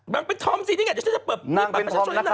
นางเป็นธอมสินี่ไงฉันจะเปิดประชาชนนาง